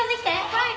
はい！